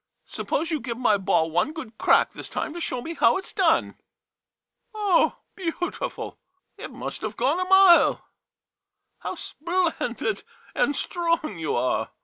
Suppose you give my ball one good crack this time to show me how it 's done. Oh — beautiful ! It must have gone a mile! [Admiringly.] How splendid and strong you are